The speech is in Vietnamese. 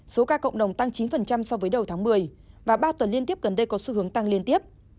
số ca cộng đồng tăng chín so với đầu tháng một mươi và ba tuần liên tiếp gần đây có xu hướng tăng liên tiếp